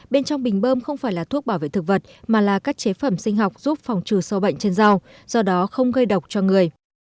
bên trong bình bơm không phải là thuốc bảo vệ thực vật mà là các chế phẩm sinh học giúp phòng trừ sâu bệnh trên rau do đó không gây độc cho người